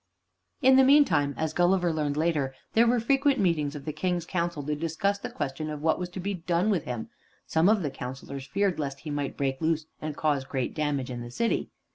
In the meantime, as Gulliver learned later, there were frequent meetings of the King's council to discuss the question of what was to be done with him. Some of the councilors feared lest he might break loose and cause great damage in the city.